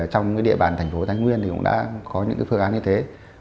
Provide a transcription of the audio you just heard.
trong cái địa bàn thành phố thánh nguyên thì cũng đã có những cái phương án như thế